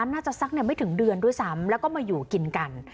สักไม่ถึงเดือนด้วยซ้ำแล้วก็มาอยู่กินกัน